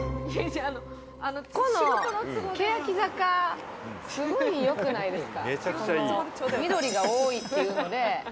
このけやき坂、すごくよくないですか？